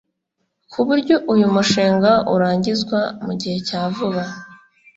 ku buryo uyu mushinga urangizwa mu gihe cya vuba